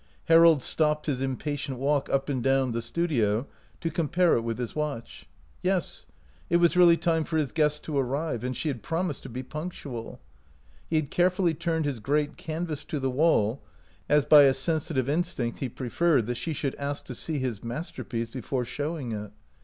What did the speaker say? Harold stopped his impatient walk up and down the studio to compare it with his watch. Yes, it was really time for his guest to arrive, and she had promised to be punctual. He had carefully turned his great canvas to the wall, as by a sensitive instinct he preferred that she should ask to see his masterpiece before showing it.